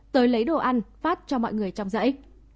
tới lấy đồ ăn phát cho mọi người trong dãy